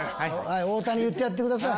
太田に言ってやってください。